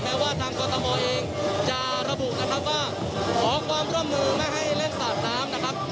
ว่าทางกรทมเองจะระบุนะครับว่าขอความร่วมมือไม่ให้เล่นสาดน้ำนะครับ